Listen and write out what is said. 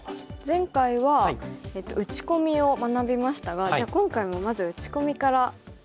前回は打ち込みを学びましたがじゃあ今回もまず打ち込みから。